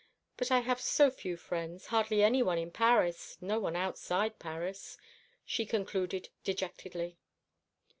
But I have so few friends hardly any one in Paris, no one outside Paris," she concluded dejectedly.